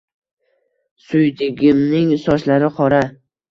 Suydigimning sochlari qora –